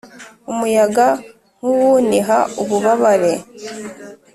umuyaga, nkuwuniha ububabare